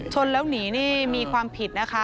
ชนแล้วหนีนี่มีความผิดนะคะ